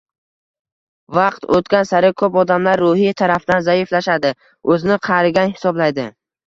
Vaqt o‘tgan sari ko‘p odamlar ruhiy tarafdan zaiflashadi, o‘zini qarigan hisoblaydi.